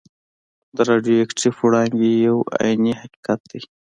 د راډیو اکټیف وړانګې یو عیني حقیقت دی.